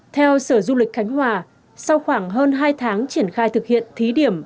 theo sở du lịch khánh hòa sau khoảng hơn hai tháng triển khai thực hiện thí điểm